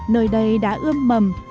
nơi đây đã ươm mầm